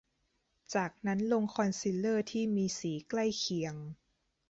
จากนั้นลงคอนซีลเลอร์ที่มีสีใกล้เคียง